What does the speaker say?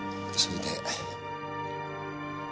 それで。